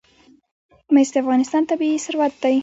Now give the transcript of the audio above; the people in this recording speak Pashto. مس د افغانستان طبعي ثروت دی.